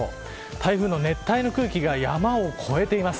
台風の熱帯の空気が山を越えています。